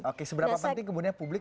oke seberapa penting kemudian publik